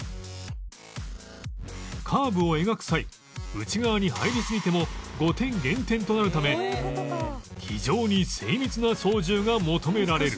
カーブを描く際内側に入りすぎても５点減点となるため非常に精密な操縦が求められる